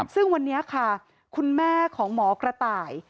ซึ่งวันนี้ค่ะคุณแม่ของหมอกระต่าย